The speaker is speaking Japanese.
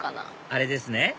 あれですね